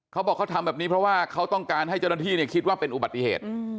เขาบอกเขาทำแบบนี้เพราะว่าเขาต้องการให้เจ้าหน้าที่คิดว่าเป็นอุบัติเหตุ